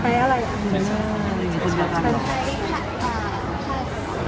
หรือารู้สึกอย่างนี้บ้าง